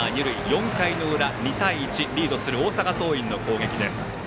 ４回裏、２対１とリードする大阪桐蔭の攻撃です。